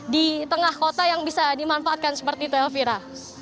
di tengah kota yang bisa dimanfaatkan seperti itu elvira